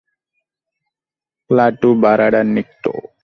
Klaatu বারাডা নিক্টো।